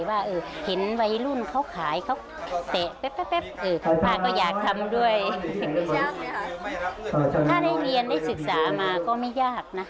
ว่าเห็นวัยรุ่นเขาขายเขาเตะแป๊บ